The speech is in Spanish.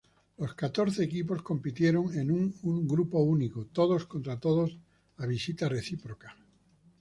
Los catorce equipos compitieron en un grupo único, todos contra todos a visita recíproca.